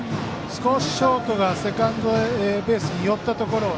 少しショートがセカンドベースに寄ったところを